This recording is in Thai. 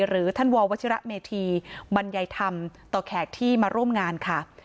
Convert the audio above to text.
หรือท่านววชิระเมธีบรรยายธรรมต่อแขกที่มาร่วมงานค่ะ